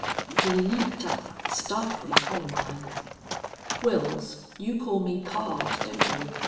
He leaped up, startling Columbine. "Wils, you call me pard, don't you?